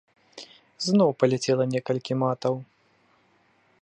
Зноў паляцела некалькі матаў.